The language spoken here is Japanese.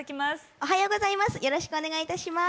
おはようございます。